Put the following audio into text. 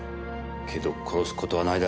けど殺す事はないだろう。